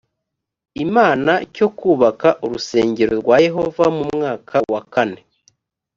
imana cyo kubaka urusengero rwa yehova mu mwaka wa kane